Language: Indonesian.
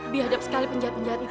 biadap sekali penjahat penjahat itu pak